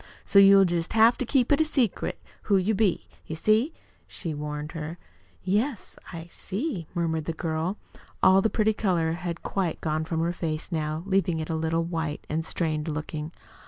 "So you'll jest have to keep it secret who you be, you see," she warned her. "Yes, I see," murmured the girl. All the pretty color had quite gone from her face now, leaving it a little white and strained looking.